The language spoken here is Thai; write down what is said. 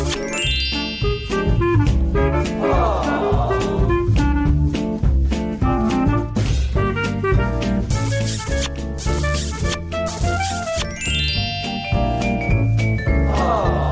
สวัสดีค่ะ